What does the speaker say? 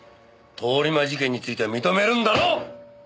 通り魔事件については認めるんだろ！